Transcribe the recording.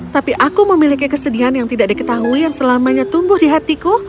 tapi aku memiliki kesedihan yang tidak diketahui yang selamanya tumbuh di hatiku